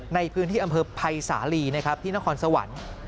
ในพื้นที่อำเภอภัยสาลีนะครับที่นครสวรรค์